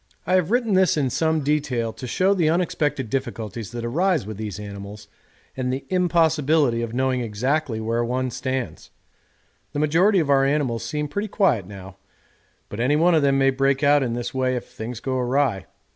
I have written this in some detail to show the unexpected difficulties that arise with these animals, and the impossibility of knowing exactly where one stands. The majority of our animals seem pretty quiet now, but any one of them may break out in this way if things go awry.